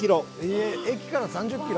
駅から３０キロ！？